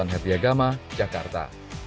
utan hati agama jakarta